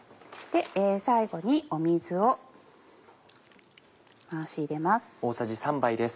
最後に水を回し入れます。